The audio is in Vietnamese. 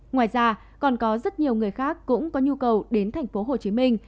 ngoài ra còn có rất nhiều người khác cũng có nhu cầu đến thành phố hồ chí minh